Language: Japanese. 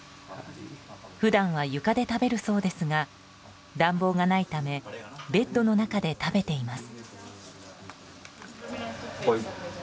普段は床で食べるそうですが暖房がないためベッドの中で食べています。